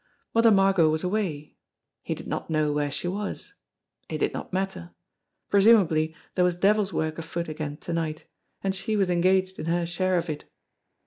Mother Margot was away. He did not know where she was. It did not matter. Pre sumably there was devil's work afoot again to night, and she was engaged in her share of it.